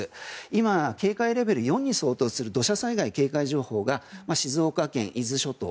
今、警戒レベル４に相当する土砂災害警戒情報が静岡県、伊豆諸島